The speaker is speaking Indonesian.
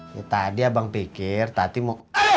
ya tadi abang pikir tadi mau